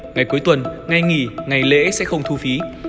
ngày cuối tuần ngày nghỉ ngày lễ sẽ không thu phí